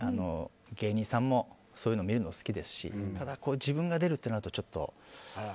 芸人さんも、そういうのを見るのも好きですしただ、自分が出るとなるとちょっと。